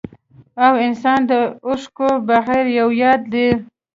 او انسان د اوښکو بغير يو ياد دی